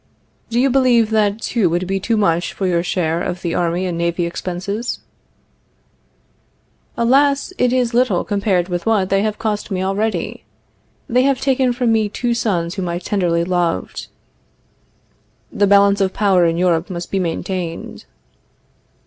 Do you believe that two would be too much for your share of the army and navy expenses? Alas, it is little compared with what they have cost me already. They have taken from me two sons whom I tenderly loved. The balance of power in Europe must be maintained.